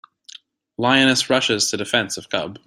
Lioness Rushes to Defense of Cub.